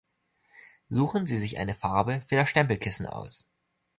Suchen Sie sich eine Farbe für das Stempelkissen aus.